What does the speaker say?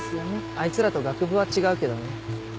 あいつらと学部は違うけどね。